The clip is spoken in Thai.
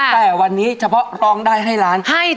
แต่วันนี้เฉพาะร้องได้ให้ล้าน